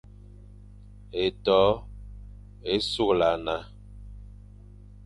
Étô é sughlana.